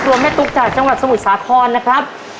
แม่ตุ๊กจากจังหวัดสมุทรสาครนะครับ